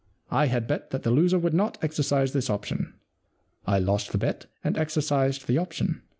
I had bet that the loser would not exercise this option. I lost the bet and exercised the option.